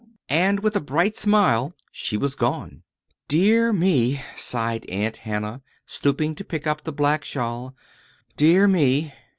And with a bright smile she was gone. "Dear me," sighed Aunt Hannah, stooping to pick up the black shawl; "dear me!